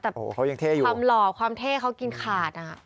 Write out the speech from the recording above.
แต่ความหล่อความเท่เขากินขาดนะครับโอ้เขายังเท่อยู่